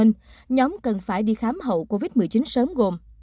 nhóm cần phải đi khám hậu covid một mươi chín sớm gồm